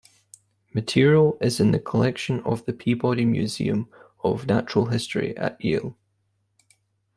Material is in the collection of the Peabody Museum of Natural History at Yale.